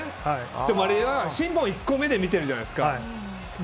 あれは審判、１個目で見てたじゃないですか。